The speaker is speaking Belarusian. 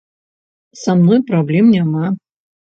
Са мной праблем няма.